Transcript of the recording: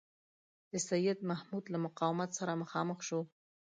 د سیدمحمود له مقاومت سره مخامخ شو.